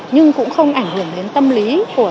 nhưng cũng không ảnh hưởng đến tâm lý